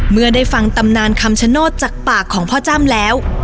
เมื่อได้ฟังตำนานคำชโนธจากปากของพ่อจ้ำแล้ว